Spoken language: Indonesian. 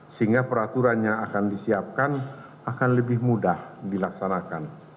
sehingga peraturannya akan disiapkan akan lebih mudah dilaksanakan